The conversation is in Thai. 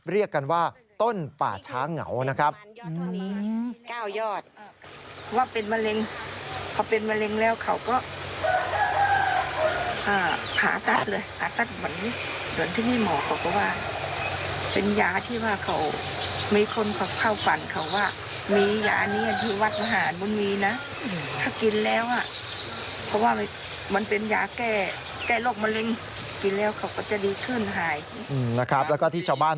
เรียกกันว่าต้นป่าช้าเหงานะครับ